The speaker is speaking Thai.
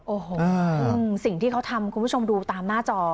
โอ้โหสิ่งที่เขาทำคุณผู้ชมดูตามหน้าจอ